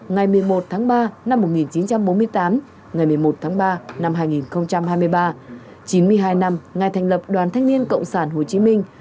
ngày một mươi một tháng ba năm một nghìn chín trăm bốn mươi tám ngày một mươi một tháng ba năm hai nghìn hai mươi ba chín mươi hai năm ngày thành lập đoàn thanh niên cộng sản hồ chí minh